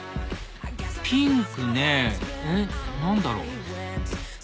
ピンクねぇえっ何だろう？